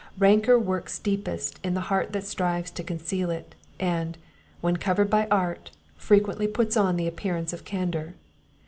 Rancour works deepest in the heart that strives to conceal it; and, when covered by art, frequently puts on the appearance of candour.